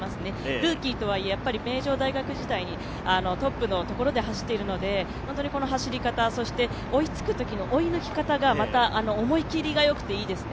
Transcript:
ルーキーとはいえ、名城大学時代にトップのところで走っているので本当に走り方、追いつくときの追い抜き方もまた思い切りがよくていいですね。